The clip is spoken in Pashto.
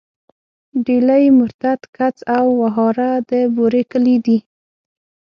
ډيلی، مرتت، کڅ او وهاره د بوري کلي دي.